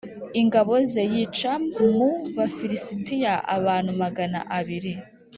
ingabo ze yica mu Bafilisitiya abantu magana abiri